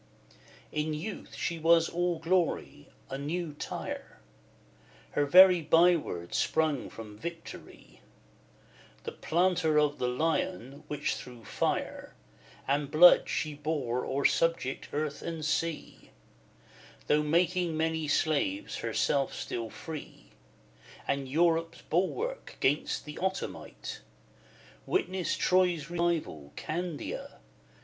XIV. In youth she was all glory, a new Tyre, Her very byword sprung from victory, The 'Planter of the Lion,' which through fire And blood she bore o'er subject earth and sea; Though making many slaves, herself still free And Europe's bulwark 'gainst the Ottomite: Witness Troy's rival, Candia!